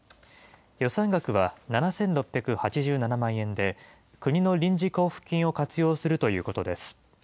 予算額は７６８７万円で、国の臨時交付金を活用するということです。